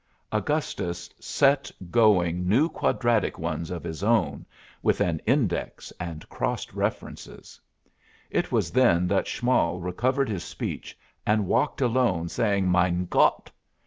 Augustus set going new quadratic ones of his own, with an index and cross references. It was then that Schmoll recovered his speech and walked alone, saying, "Mein Gott!"